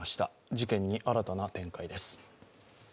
事件に新たな展開です。